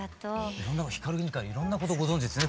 いろんなの光ＧＥＮＪＩからいろんなことご存じですね。